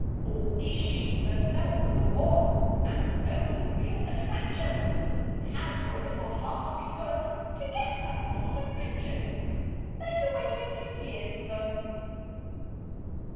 Or is she herself the one And only real attraction? Has your little heart begun To get that sort of action? Better wait a few years, son.